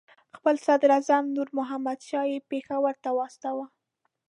خپل صدراعظم نور محمد شاه یې پېښور ته واستاوه.